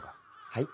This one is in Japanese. はい？